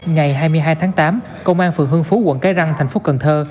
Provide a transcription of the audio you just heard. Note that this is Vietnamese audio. ngày hai mươi hai tháng tám công an phường hương phú quận cái răng thành phố cần thơ